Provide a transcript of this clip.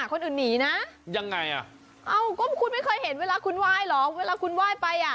คนอื่นหนีนะยังไงอ่ะเอ้าก็คุณไม่เคยเห็นเวลาคุณไหว้เหรอเวลาคุณไหว้ไปอ่ะ